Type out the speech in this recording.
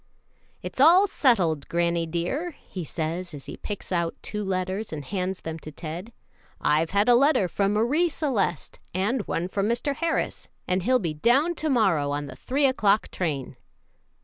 [Illustration: 0115] "It's all settled, granny dear," he says, as he picks out two letters and hands them to Ted; "I've had a letter from Marie Celeste and one from Mr. Harris, and he'll be down to morrow on the three o'clock train."